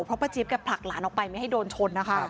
เพราะป้าเจี๊ยแกผลักหลานออกไปไม่ให้โดนชนนะคะ